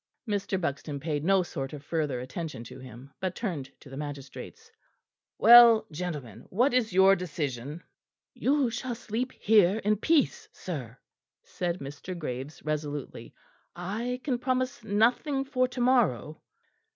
Mr. Buxton paid no sort of further attention to him, but turned to the magistrates. "Well, gentlemen, what is your decision?" "You shall sleep here in peace, sir," said Mr. Graves resolutely. "I can promise nothing for to morrow."